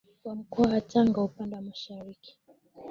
Mkoa wa Tanga upande wa mashariki